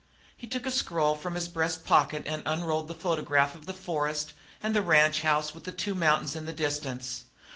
He took a scroll from his breast pocket and unrolled the photograph of the forest and the ranchhouse with the two mountains in the distance.